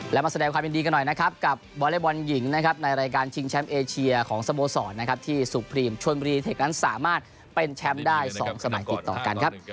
แล้วมาแสดงความยินดีกันหน่อยนะครับกับวอเล็กบอลหญิงนะครับในรายการชิงแชมป์เอเชียของสโมสรนะครับที่สุพรีมชวนบุรีเทคนั้นสามารถเป็นแชมป์ได้๒สมัยติดต่อกันครับ